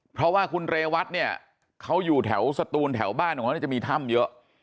เพราะว่าคุณเรวัตเนี่ยเขาอยู่แถวสตูนแถวบ้านของเขาเนี่ยจะมีถ้ำเยอะ